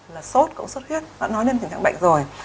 là sốt cũng sốt huyết đã nói lên tình trạng bệnh rồi